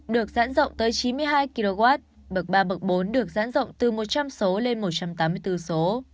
được giãn rộng tới chín mươi hai kw bậc ba bậc bốn được giãn rộng từ một trăm linh số lên một trăm tám mươi bốn số